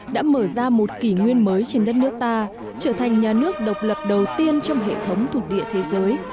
đã mở ra một kỷ nguyên mới trên đất nước ta trở thành nhà nước độc lập đầu tiên trong hệ thống thuộc địa thế giới